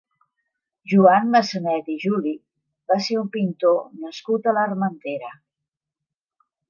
Joan Massanet i Juli va ser un pintor nascut a l'Armentera.